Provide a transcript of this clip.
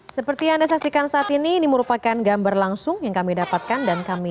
seperti yang anda saksikan saat ini ini merupakan gambar langsung yang kami dapatkan dan kami